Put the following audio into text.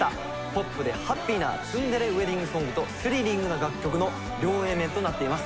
ポップでハッピーなツンデレウエディングソングとスリリングな楽曲の両Ａ面となっています。